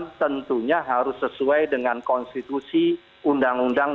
dan tentunya harus sesuai dengan konstitusi undang undangnya